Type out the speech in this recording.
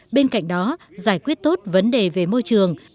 bên cạnh đó giải quyết tốt vấn đề về môi trường